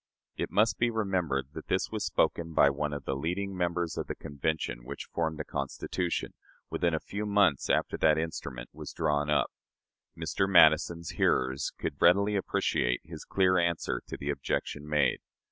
" It must be remembered that this was spoken by one of the leading members of the Convention which formed the Constitution, within a few months after that instrument was drawn up. Mr. Madison's hearers could readily appreciate his clear answer to the objection made.